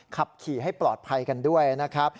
ขับขี่ให้ปลอดภัยกันด้วยนะครับ